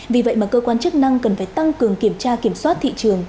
vì vậy mà cơ quan chức năng cần phải tăng cường kiểm tra kiểm soát thị trường